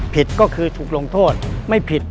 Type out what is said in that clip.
ผิดก็คือถูกลงโทษไม่ผิด